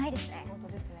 本当ですね。